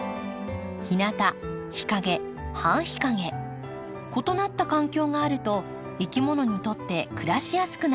ひなた日陰半日陰異なった環境があるといきものにとって暮らしやすくなります。